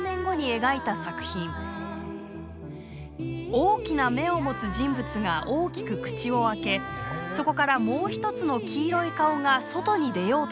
大きな目を持つ人物が大きく口を開けそこからもう一つの黄色い顔が外に出ようとしています。